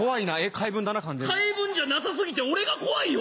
回文じゃなさ過ぎて俺が怖いよ！